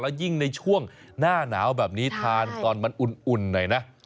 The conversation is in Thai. ยิ่งในช่วงหน้าหนาวแบบนี้ทานตอนมันอุ่นหน่อยนะ